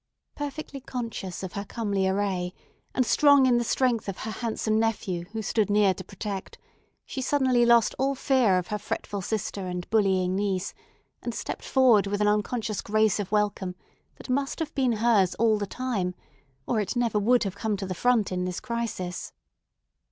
Perfectly conscious of her comely array, and strong in the strength of her handsome nephew who stood near to protect, she suddenly lost all fear of her fretful sister and bullying niece, and stepped forward with an unconscious grace of welcome that must have been hers all the time, or it never would have come to the front in this crisis.